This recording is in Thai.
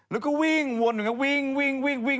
แล้วก็วิ่งวน